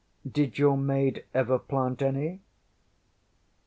Did your maid ever plant any?